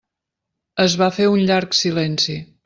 Es va fer un llarg silenci.